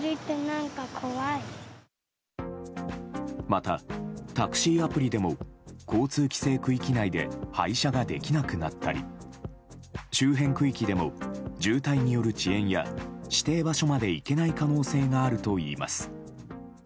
また、タクシーアプリでも交通規制区域内で配車ができなくなったり周辺区域でも渋滞による遅延や指定場所まで行けない可能性があるといいます。